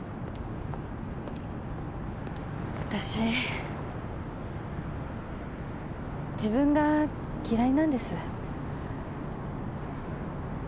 わたし自分が嫌いなんです。